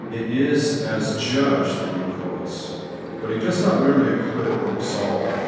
It is as Judge that He acquits. But He does not merely acquit or absolve.